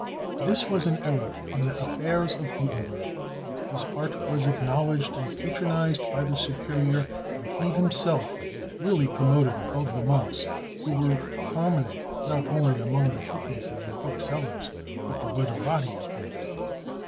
This was an era in the affairs of Gutenberg. His art was acknowledged and patronized by the Superior, and he himself really promoted above the monks, who were prominent not only among the book makers or book sellers, but the literati of their day.